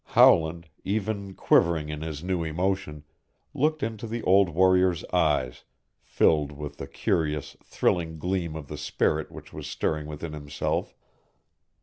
Howland, even quivering in his new emotion, looked into the old warrior's eyes, filled with the curious, thrilling gleam of the spirit which was stirring within himself.